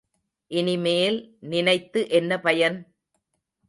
இனிமேல் நினைத்து என்ன பயன்?